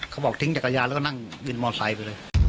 เขาบอกทิ้งจักรยานแล้วก็นั่งวินมอไซค์ไปเลย